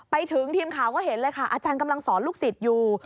ไปถึงทีมข่าวก็เห็นเลยค่ะอาจารย์กำลังสอนลูกศิษย์อยู่